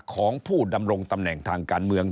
ของผู้ดำรงตำแหน่งทางการเมือง